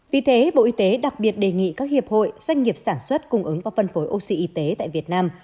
vì thế bộ y tế đặc biệt đề nghị các hiệp hội doanh nghiệp sản xuất cung ứng và phân phối oxy y tế tại việt nam